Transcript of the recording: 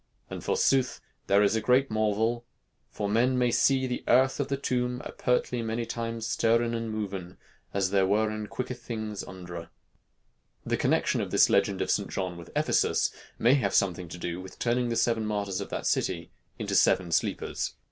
And forsoothe there is a gret marveule: For men may see there the erthe of the tombe apertly many tymes steren and moven, as there weren quykke thinges undre." The connection of this legend of St. John with Ephesus may have had something to do with turning the seven martyrs of that city into seven sleepers.